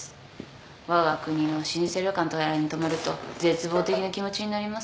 わが国の老舗旅館とやらに泊まると絶望的な気持ちになります。